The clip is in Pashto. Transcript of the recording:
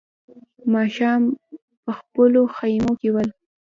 ماښام په خپلو خيمو کې ول.